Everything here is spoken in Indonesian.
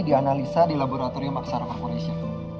dianalisa di laboratorium aksara polisi